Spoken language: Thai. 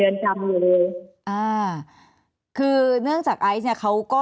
แอนตาซินเยลโรคกระเพาะอาหารท้องอืดจุกเสียดแสบร้อน